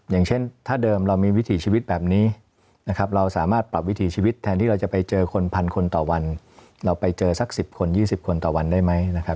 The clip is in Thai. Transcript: อย่างเช่นถ้าเดิมเรามีวิถีชีวิตแบบนี้เราสามารถปรับวิถีชีวิตแทนที่เราจะไปเจอคนพันคนต่อวันเราไปเจอสัก๑๐คน๒๐คนต่อวันได้ไหม